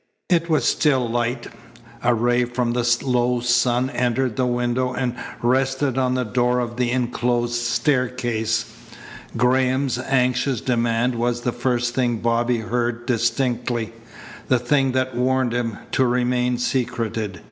It was still light. A ray from the low sun entered the window and rested on the door of the enclosed staircase. Graham's anxious demand was the first thing Bobby heard distinctly the thing that warned him to remain secreted.